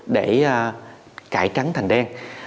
để cãi trắng thành đen